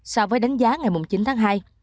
so với đánh giá ngày chín tháng hai